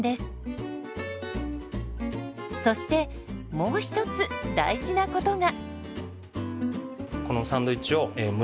そしてもう一つ大事なことが。